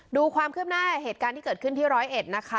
ดูความคืบหน้าเหตุการณ์ที่เกิดขึ้นที่ร้อยเอ็ดนะคะ